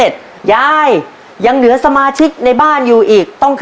จึง